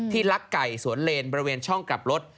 ลักไก่สวนเลนบริเวณช่องกลับรถ